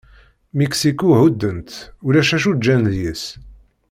Miksiku, hudden-tt, ulac acu ǧǧan deg-s.